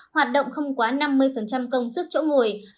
hoạt động không quá năm mươi công sức chỗ ngồi